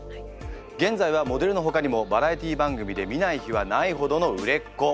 現在はモデルのほかにもバラエティー番組で見ない日はないほどの売れっ子。